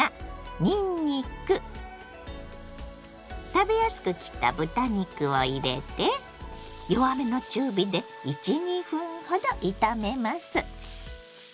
にんにく食べやすく切った豚肉を入れて弱めの中火で１２分ほど炒めます。